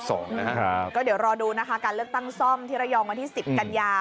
ก็เดี๋ยวรอดูนะคะการเลือกตั้งซ่อมที่ระยองวันที่๑๐กันยา